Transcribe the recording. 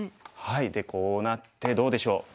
でこうなってどうでしょう？